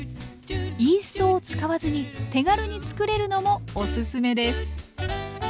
イーストを使わずに手軽に作れるのもおすすめです。